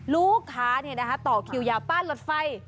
ลูกขาต่อคิ้วยาป้านรถไฟ